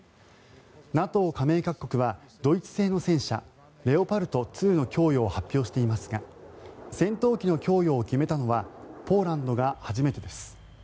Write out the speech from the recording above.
ＮＡＴＯ加盟各国はドイツ製の戦車レオパルト２の供与を発表していますが戦闘機の供与を決めたのはポーランドが初めてです。